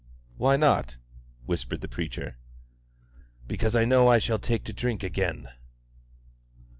"Why not?" whispered the preacher. "Because I know I shall take to drink again."